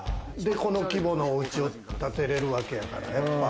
この規模のおうちを建てるわけやからね。